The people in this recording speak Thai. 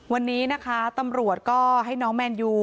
วันนี้นะคะตำรวจก็ให้น้องแมนยู